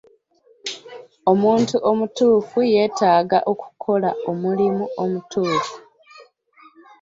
Omuntu omutuufu yeetaaga okukola omulimu omutuufu.